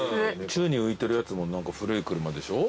宙に浮いてるやつも何か古い車でしょ？